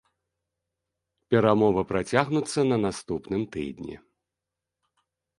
Перамовы працягнуцца на наступным тыдні.